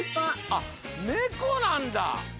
あっネコなんだ。